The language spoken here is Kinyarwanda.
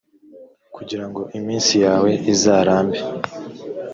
kugira ngo iminsi yawe izarambe,